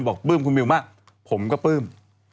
ปลื้มคุณมิวมากผมก็ปลื้ม